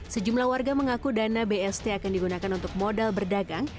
sejumlah warga mengaku dana bst akan digunakan untuk modal berdagang